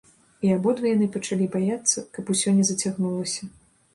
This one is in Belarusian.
І абодва яны пачалі баяцца, каб усё не зацягнулася.